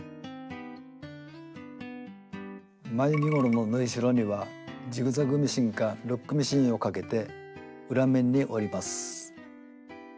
前身ごろの縫いしろにはジグザグミシンかロックミシンをかけて裏面に折ります。